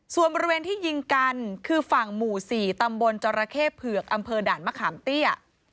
ส่วนบริเวณที่ยิงกันคือฝั่งหมู่๔ตำบลจรเข้เผือกอำเภอด่านมะขามเตี้ย